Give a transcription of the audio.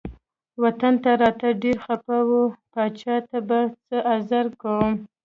وطن ته راته ډیر خپه و پاچا ته به څه عذر کوم.